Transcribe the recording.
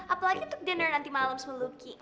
apalagi untuk diner nanti malem smaluki